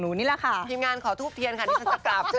คือเวลาถ้าเราจะเดินลายรอดจอดรถ